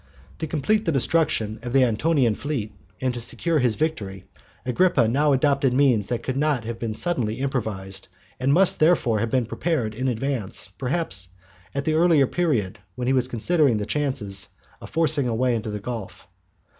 To complete the destruction of the Antonian fleet, and secure his victory, Agrippa now adopted means that could not have been suddenly improvised, and must therefore have been prepared in advance, perhaps at the earlier period, when he was considering the chances of forcing a way into the Gulf.